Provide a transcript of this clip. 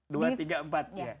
dua tiga empat ya